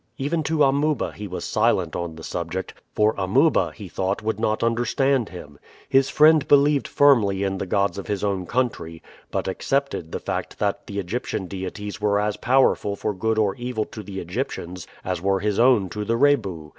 Even to Amuba he was silent on the subject, for Amuba he thought would not understand him. His friend believed firmly in the gods of his own country, but accepted the fact that the Egyptian deities were as powerful for good or evil to the Egyptians as were his own to the Rebu.